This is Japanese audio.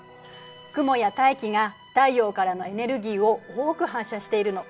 雲や大気が太陽からのエネルギーを多く反射しているの。